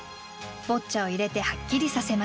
「ボッチャ」を入れてはっきりさせます。